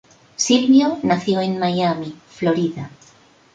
Silvio nació en Miami, Florida.